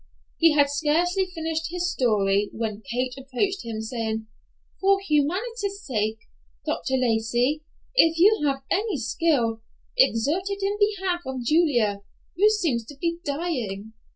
He had scarcely finished his story when Kate approached him, saying, "For humanity's sake, Dr. Lacey, if you have any skill, exert it in behalf of Julia, who seems to be dying."